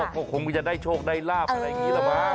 ก็คงจะได้โชคได้ลาบอะไรอย่างนี้แหละมั้